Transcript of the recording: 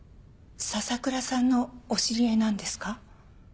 笹倉さんのお知り合いなんですか？